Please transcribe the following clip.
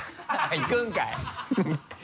行くんかい